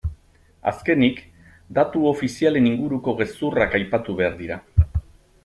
Azkenik, datu ofizialen inguruko gezurrak aipatu behar dira.